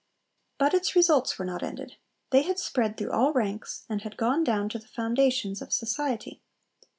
But its results were not ended. They had spread through all ranks, and had gone down to the foundations of society.